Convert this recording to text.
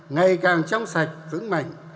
ngày càng trong sạch vững mạnh